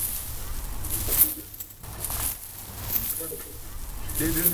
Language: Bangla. রামকৃষ্ণ পরমহংসকে আমি বা অপর যে-কেহ প্রচার করুক, তাহাতে কিছু আসে যায় না।